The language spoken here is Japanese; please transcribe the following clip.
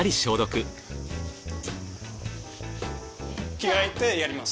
着替えてやります。